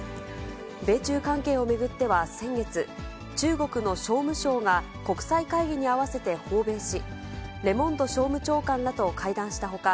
米中関係を巡っては先月、中国の商務相が国際会議に合わせて訪米し、レモンド商務長官らと会談したほか、